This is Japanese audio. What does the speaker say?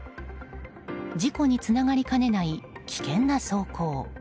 事故につながりかねない危険な走行。